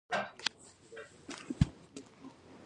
د کلیزو منظره د افغانستان د زرغونتیا یوه ډېره ښه او څرګنده نښه ده.